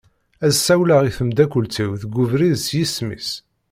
Ad ssawleɣ i temdakelt-iw deg ubrid s yisem-is.